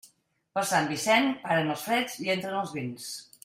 Per Sant Vicent, paren els freds i entren els vents.